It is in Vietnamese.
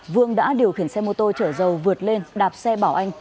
vương đã điều khiển xe mô tô chở dầu vượt lên đạp xe bảo anh